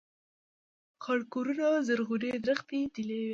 خړ کورونه زرغونې درختي دلې وې